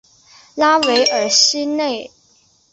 拉韦尔西内。